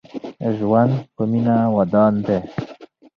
ژوند په مينه ودان دې